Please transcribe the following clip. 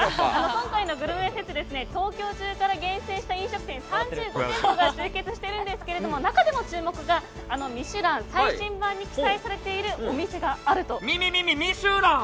今回のグルメフェスですが東京中から厳選した飲食店３５店舗が集結しているんですが中でも注目が「ミシュラン」最新版に記載されている「ミシュラン」！